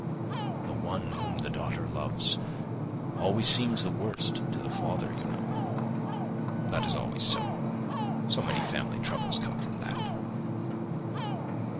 The one whom the daughter loves always seems the worst to the father, you know. That is always so. So many family troubles come from that."